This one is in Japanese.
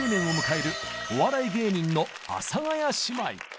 を迎えるお笑い芸人の阿佐ヶ谷姉妹。